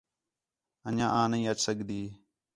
انڄیاں آں نہیں اَچ سڳدی